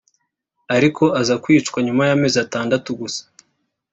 ariko aza kwicwa nyuma y’amezi atandatu gusa